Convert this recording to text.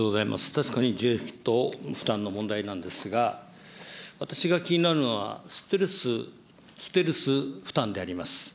確かに受益と負担の問題なんですが、私が気になるのは、ステルス負担であります。